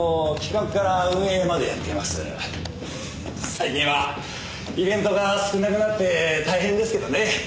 最近はイベントが少なくなって大変ですけどね。